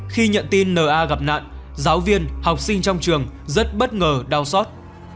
khi nhận tin n a gặp nạn giáo viên học sinh trong trường rất bất ngờ đau xót